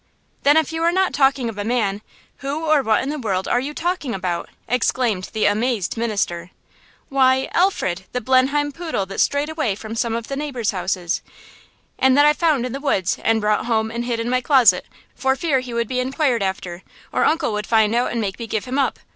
"Then, if you are not talking of a man, who or what in the world are you talking about?" exclaimed the amazed minister. "Why, Alfred, the Blenheim poodle that strayed away from some of the neighbors' houses, and that I found in the woods and brought home and hid in my closet, for fear he would be inquired after, or uncle would find out and make me give him up.